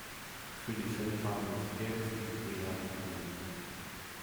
Für die Fellfarbe des Pferdes gilt eher ‚dun‘.